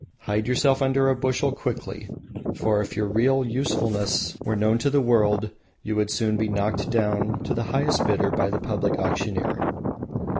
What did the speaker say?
Hide yourself under a bushel quickly, for if your real usefulness were known to the world you would soon be knocked down to the highest bidder by the public auctioneer.